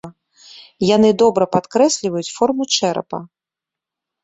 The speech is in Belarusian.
Яны добра падкрэсліваюць форму чэрапа.